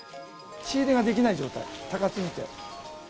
仕入れができない状態、高すぎて。